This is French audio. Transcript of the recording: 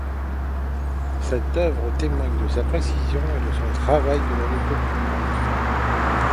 Cette oeuvre témoigne de sa précision et de son travail de l'anecdote vivante.